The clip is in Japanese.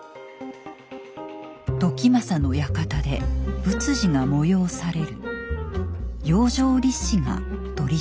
「時政の館で仏事が催される」。